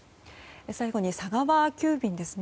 最後に佐川急便です。